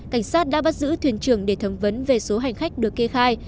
cảnh sát đã bắt giữ thuyền trưởng để thẩm vấn về số hành khách được kê khai